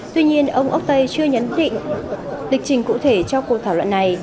tuy nhiên ông oktay chưa nhấn định địch trình cụ thể cho cuộc thảo luận này